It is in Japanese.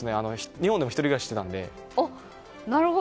日本でも１人暮らしをしてたので。